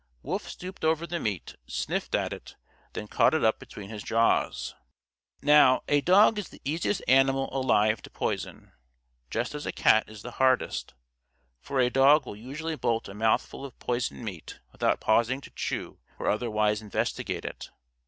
Wolf stooped over the meat, sniffed at it, then caught it up between his jaws. Now, a dog is the easiest animal alive to poison, just as a cat is the hardest, for a dog will usually bolt a mouthful of poisoned meat without pausing to chew or otherwise investigate it.